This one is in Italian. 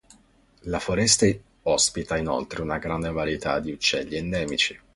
La foresta ospita inoltre una grande varietà di uccelli endemici.